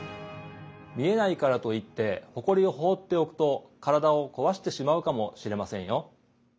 見えないからといってほこりをほうっておくと体をこわしてしまうかもしれませんよ。